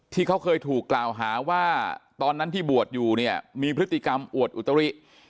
ที่เขาเคยถูกกล่าวหาว่าตอนนั้นที่บวชอยู่เนี่ยมีพฤติกรรมอวดอุตริ